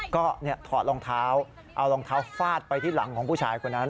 ก็ถอดรองเท้าเอารองเท้าฟาดไปที่หลังของผู้ชายคนนั้น